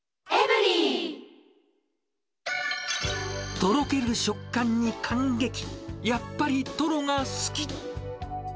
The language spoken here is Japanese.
とろける食感に感激、やっぱりトロが好き！